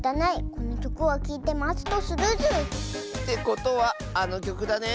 このきょくをきいてまつとするズー。ってことはあのきょくだね？